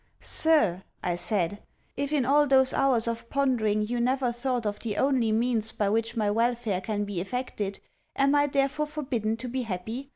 'Sir,' I said, 'if in all those hours of pondering you never thought of the only means by which my welfare can be effected, am I therefore forbidden to be happy?